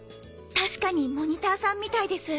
確かにモニターさんみたいです。